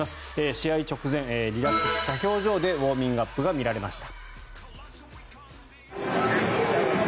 試合直前、リラックスした表情でウォーミングアップが見られました。